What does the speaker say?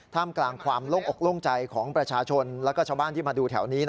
กลางความโล่งอกโล่งใจของประชาชนและชาวบ้านที่มาดูแถวนี้